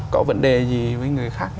có vấn đề gì với người khác